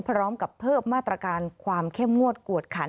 พร้อมกับเพิ่มมาตรการความเข้มงวดกวดขัน